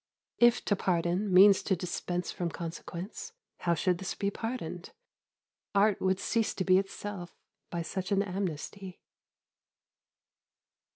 If to pardon means to dispense from consequence, how should this be pardoned? Art would cease to be itself, by such an amnesty.